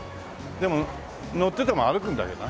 でも乗ってても歩くんだけどな。